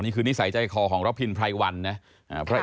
นี่คือนิสัยใจคอของระพินไพรวันนะ